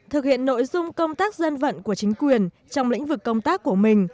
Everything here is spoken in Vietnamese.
thực hiện nội dung công tác dân vận của chính quyền trong lĩnh vực công tác của mình